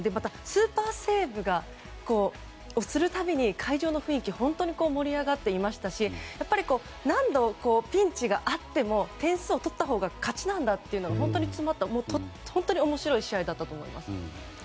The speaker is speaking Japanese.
スーパーセーブをするたびに会場の雰囲気が本当に盛り上がっていましたしやっぱり、何度ピンチがあっても点数を取ったほうが勝ちなんだというのが本当に詰まった、本当に面白い試合だったと思います。